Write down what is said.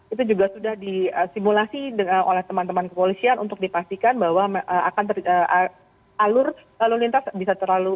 itu juga sudah disimulasi oleh teman teman kepolisian untuk dipastikan bahwa alur lintas bisa lancar selalu